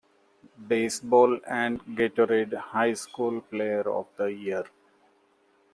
Baseball and the Gatorade High School Player of the Year.